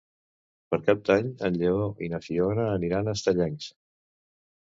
Per Cap d'Any en Lleó i na Fiona aniran a Estellencs.